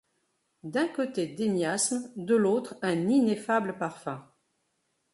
D’un côté des miasmes, de l’autre un ineffable parfum.